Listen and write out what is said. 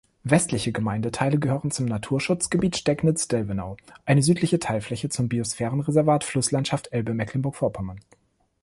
Westliche Gemeindeteile gehören zum Naturschutzgebiet Stecknitz-Delvenau, eine südliche Teilfläche zum Biosphärenreservat Flusslandschaft Elbe-Mecklenburg-Vorpommern.